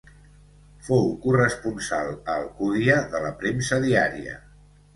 Fou corresponsal a Alcúdia de la premsa diària.